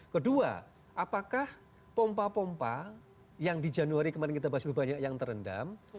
kedua apakah pompa pompa yang di januari kemarin kita bahas itu banyak yang terendam